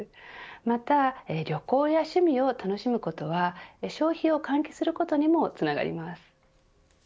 また、旅行や趣味を楽しむことは消費を喚起することにもつながります。